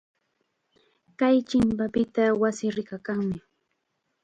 Kay chimpapita wasii rikakanmi.